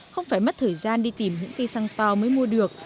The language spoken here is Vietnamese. không phải mất thời gian đi tìm những cây xăng to mới mua được